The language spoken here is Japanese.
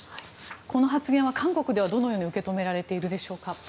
この発言は韓国ではどのように受け止められているでしょうか？